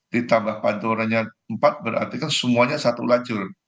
ditambah panturanya empat berarti kan semuanya satu lajur